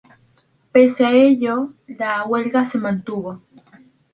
Pese a ello, la huelga se mantuvo.